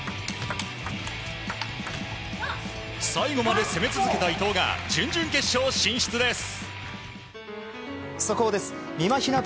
最後まで攻め続けた伊藤が準々決勝進出です。